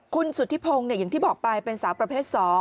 คุณสุธิพงศ์อย่างที่บอกไปเป็นสาวประเภท๒